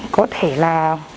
có thể là